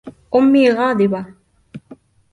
أمي غاضبة.